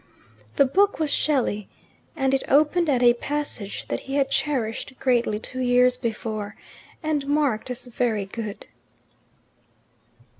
The book was Shelley, and it opened at a passage that he had cherished greatly two years before, and marked as "very good."